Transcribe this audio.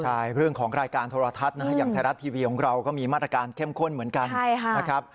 ใช่เรื่องของรายการโทรทัศน์นะฮะอย่างไทยรัฐทีวีของเราก็มีมาตรการเข้มข้นเหมือนกันนะครับ